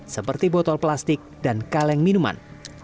seperti botol plastik dan kaleng minuman